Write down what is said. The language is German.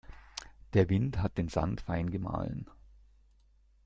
Der Wind hat den Sand fein gemahlen.